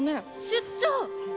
出張！